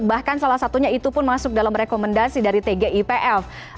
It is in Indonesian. bahkan salah satunya itu pun masuk dalam rekomendasi dari tgipf